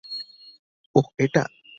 ওহ এটা!